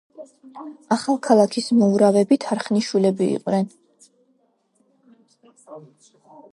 ახალქალაქის მოურავები თარხნიშვილები იყვნენ.